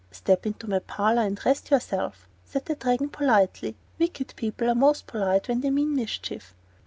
"Step into my parlor and rest yourself," said the Dragon, politely. Wicked people are most polite when they mean mischief.